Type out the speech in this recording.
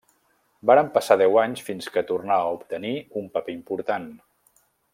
Varen passar deu anys fins que tornà a obtenir un paper important.